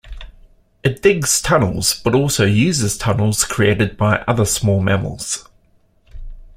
It digs tunnels but also uses tunnels created by other small mammals.